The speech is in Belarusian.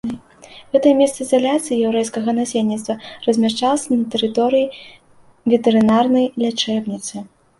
Гэта месца ізаляцыі яўрэйскага насельніцтва размяшчалася на тэрыторыі ветэрынарнай лячэбніцы.